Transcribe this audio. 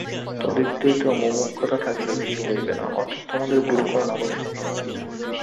তদ্ব্যতীত মুমুক্ষুতা থাকিলেও কিছু হইবে না, অর্থাৎ তোমার গুরুকরণ আবশ্যক।